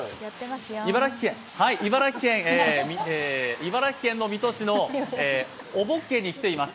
茨城県の水戸市の尾木毛に来ています。